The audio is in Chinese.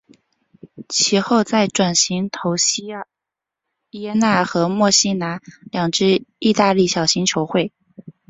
其后再转投锡耶纳和墨西拿两支意大利小型球会。